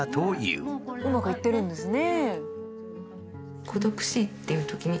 うまくいってるんですね。